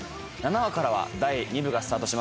７話からは第２部がスタートします。